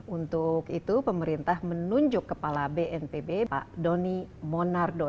untuk itu pemerintah menunjuk kepala bnpb pak doni monardo